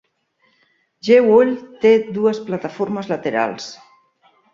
Jewell té dues plataformes laterals.